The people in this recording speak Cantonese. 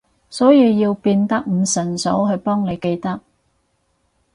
所以要變得唔順手去幫你記得